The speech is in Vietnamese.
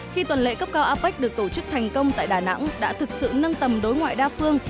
khi tuần lễ cấp cao apec được tổ chức thành công tại đà nẵng đã thực sự nâng tầm đối ngoại đa phương